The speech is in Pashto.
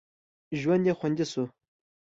ژوند یې خوندي شو.